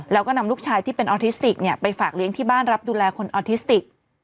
แล้วก็นำลูกชายที่เป็นออทิสติกไปฝากเลี้ยงที่บ้านรับดูแลคนออทิสติก